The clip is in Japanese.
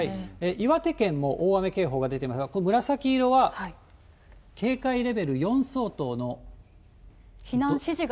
岩手県も大雨警報が出てますが、この紫色は警戒レベル４相当の。